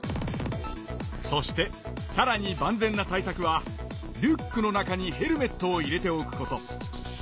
そしてさらに万全な対さくはリュックの中にヘルメットを入れておくこと。